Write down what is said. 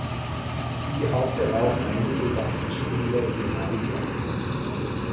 Sie hatte auch einige Gastspiele im Ausland.